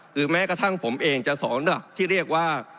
คือแม้กระทั่งผมเองจะสอนระดับที่เรียกว่า